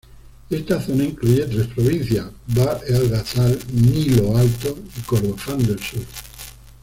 Esta zona incluye tres provincias: Bahr el Ghazal, Nilo Alto, y Kordofán del Sur.